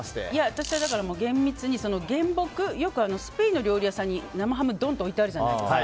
私は、厳密に原木よくスペインの料理屋さんに生ハムがどんと置いてあるじゃないですか。